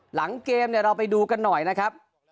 หลังเกมเนี่ยเราไปดูกันหน่อยนะครับ